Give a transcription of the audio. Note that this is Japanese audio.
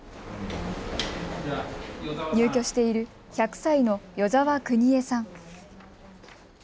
入居している１００歳の與澤国枝さん。